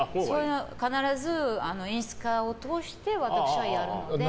必ず演出家を通して私はやるので。